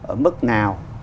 ở mức nào